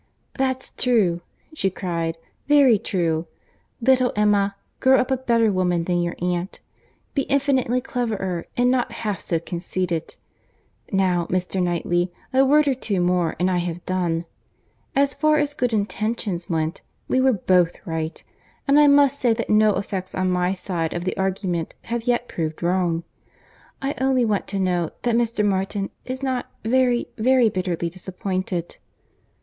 "That's true," she cried—"very true. Little Emma, grow up a better woman than your aunt. Be infinitely cleverer and not half so conceited. Now, Mr. Knightley, a word or two more, and I have done. As far as good intentions went, we were both right, and I must say that no effects on my side of the argument have yet proved wrong. I only want to know that Mr. Martin is not very, very bitterly disappointed."